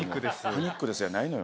「パニックです」やないのよ。